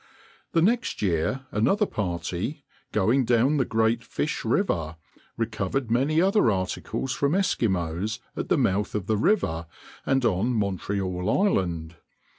The next year another party, going down the Great Fish River, recovered many other articles from Eskimos at the mouth of the river and on Montreal Island.